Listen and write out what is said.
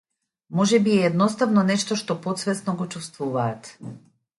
Можеби е едноставно нешто што потсвесно го чувствуваат.